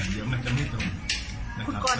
เดี๋ยวมันจะไม่ตรงนะครับ